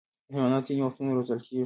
حیوانات ځینې وختونه روزل کېږي.